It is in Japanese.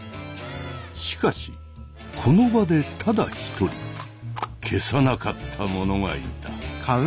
しかしこの場でただ一人消さなかった者がいた。